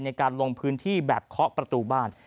ในการลงพื้นที่แบบเคาะประตูบ้าน